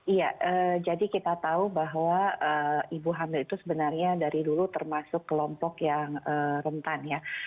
iya jadi kita tahu bahwa ibu hamil itu sebenarnya dari dulu termasuk kelompok yang rentan ya